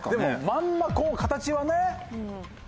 まんまこう形はね。